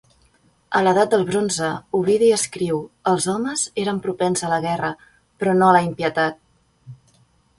A l'edat del bronze, Ovidi escriu, els homes eren propens a la guerra, però no a la impietat.